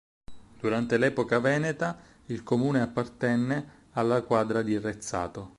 Durante l'epoca veneta, il comune appartenne alla quadra di Rezzato.